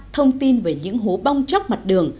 thông tin về những hố bong chóc mặt đường